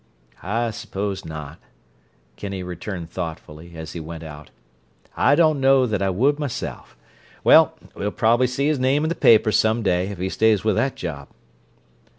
"I suppose not," Kinney returned thoughtfully, as he went out. "I don't know that I would myself. Well, we'll probably see his name in the papers some day if he stays with that job!"